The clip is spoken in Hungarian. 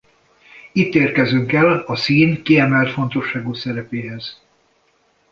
Itt érkezünk el a szín kiemelt fontosságú szerepéhez.